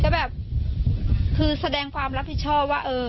ก็แบบคือแสดงความรับผิดชอบว่าเออ